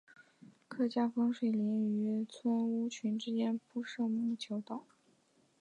客家风水林与村屋群之间铺设木栈道。